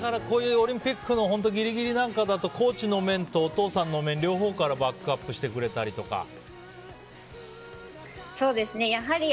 オリンピックのギリギリなんかだとコーチの面とお父さんの面両方の面からバックアップしてくれたりとか。